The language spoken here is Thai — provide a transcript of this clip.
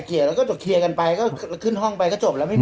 แล้วก็จบเคลียร์กันไปก็ขึ้นห้องไปก็จบแล้วไม่มี